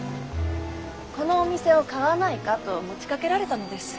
このお店を買わないかと持ちかけられたのです。